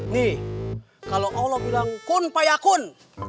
nih kalau allah bilang kun payah kun